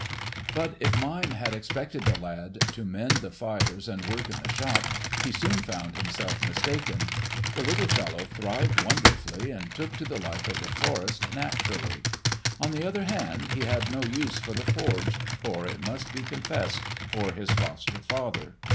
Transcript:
But if Mime had expected the lad to mend the fires and work in the shop, he soon found himself mistaken. The little fellow thrived wonderfully and took to the life of the forest naturally. On the other hand, he had no use for the forge or, it must be confessed, for his foster father.